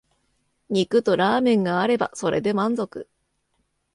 肉とラーメンがあればそれで満足